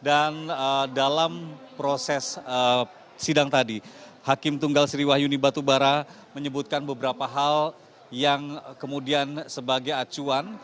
dan dalam proses sidang tadi hakim tunggal sriwayuni batubara menyebutkan beberapa hal yang kemudian sebagai acuan